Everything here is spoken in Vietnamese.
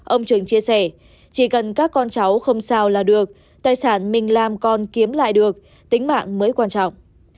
ông trường chia sẻ chỉ cần các con cháu không sao là được tài sản mình làm còn kiếm lại được tính mạng mới quan trọng